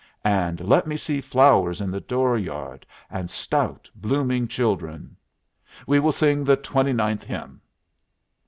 And let me see flowers in the door yard, and stout, blooming children. We will sing the twenty ninth hymn."